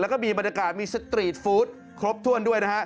แล้วก็มีบรรยากาศมีสตรีทฟู้ดครบถ้วนด้วยนะฮะ